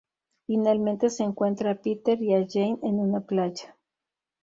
Finalmente se encuentra a Peter y a Jane en una playa.